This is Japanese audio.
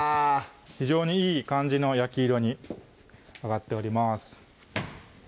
非常にいい感じの焼き色に上がっております